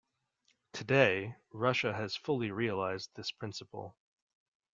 Today, Russia has fully realized this principle.